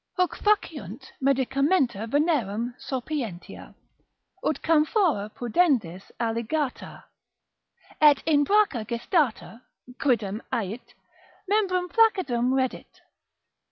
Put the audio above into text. Huc faciunt medicamenta venerem sopientia, ut camphora pudendis alligata, et in bracha gestata (quidam ait) membrum flaccidum reddit.